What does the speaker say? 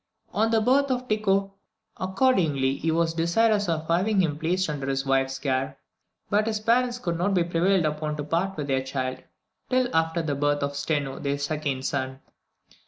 On the birth of Tycho, accordingly, he was desirous of having him placed under his wife's care; but his parents could not be prevailed upon to part with their child till after the birth of Steno, their second son.